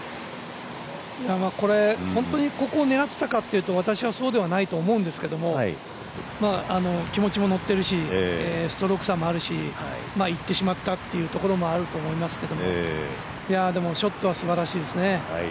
本当にここを狙っていたかというと私はそうではないと思うんですけど気持ちも乗ってるしストローク差もあるしいってしまったというところもあると思いますけどでも、ショットはすばらしいですね